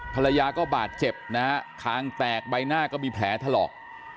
ภรรยาก็บาดเจ็บนะฮะคางแตกใบหน้าก็มีแผลถลอก